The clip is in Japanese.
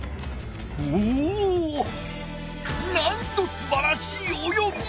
なんとすばらしい泳ぎ！